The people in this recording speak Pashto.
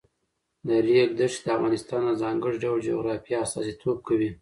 د ریګ دښتې د افغانستان د ځانګړي ډول جغرافیه استازیتوب کوي.